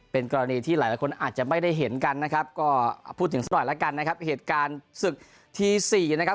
เป็นกรณีที่หลายคนอาจจะไม่ได้เห็นกันนะครับก็พูดถึงสักหน่อยแล้วกันนะครับเหตุการณ์ศึกทีสี่นะครับ